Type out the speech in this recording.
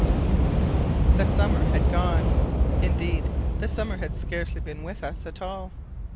The summer had gone; indeed the summer had scarcely been with us at all.